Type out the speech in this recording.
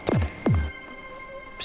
siap pak bos